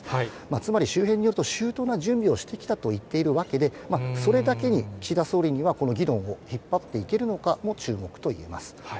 つまり周辺によると周到な準備をしてきたと言ってるわけで、それだけに、岸田総理にはこの議論を引っ張っていけるのかも注目といえます。